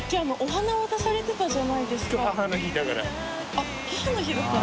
あっ母の日だから。